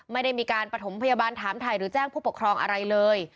ไม่ได้มีการประถมพยาบาลถามถ่ายหรือแจ้งผู้ปกครองอะไรเลย